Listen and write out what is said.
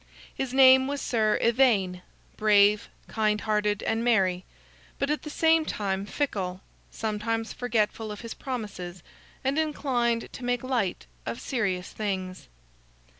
His name was Sir Ivaine; brave, kind hearted, and merry; but at the same time fickle, sometimes forgetful of his promises, and inclined to make light of serious things.